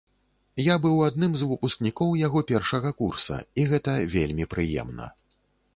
Я быў адным з выпускнікоў яго першага курса, і гэта вельмі прыемна.